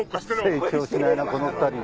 成長しないなこの２人。